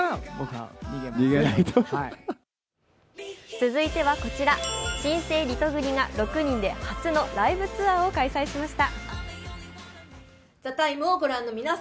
続いてはこちら、新生リトグリが６人で初のライブツアーを開催しました。